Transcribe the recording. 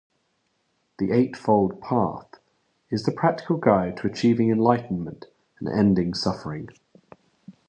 The Eightfold Path is the practical guide to achieving enlightenment and ending suffering.